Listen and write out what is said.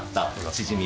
チヂミ？